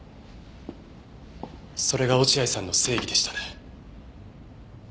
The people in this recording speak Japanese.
それが落合さんの正義でしたね。